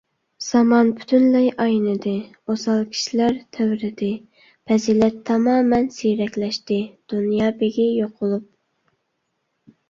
زامان پۈتۇنلەي ئاينىدى، ئوسال كىشىلەر تەۋرىدى، پەزىلەت تامامەن سىيرەكلەشتى، دۇنيا بېگى يوقۇلۇپ.